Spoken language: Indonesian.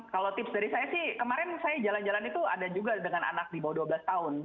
kalau tips dari saya sih kemarin saya jalan jalan itu ada juga dengan anak di bawah dua belas tahun